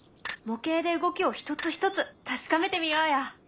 模型で動きを一つ一つ確かめてみようよ。